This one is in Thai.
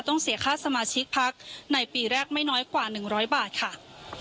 เสียค่าสมาชิกพักในปีแรกไม่น้อยกว่า๑๐๐บาทค่ะ